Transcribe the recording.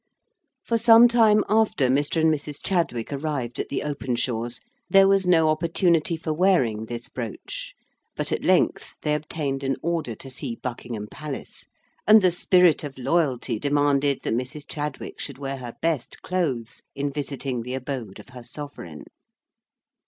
For some time after Mr. and Mrs. Chadwick arrived at the Openshaws', there was no opportunity for wearing this brooch; but at length they obtained an order to see Buckingham Palace, and the spirit of loyalty demanded that Mrs. Chadwick should wear her best clothes in visiting the abode of her sovereign.